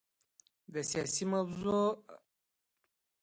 د سیاست موضوع د دولت څخه د یو څه غوښتنه کول دي.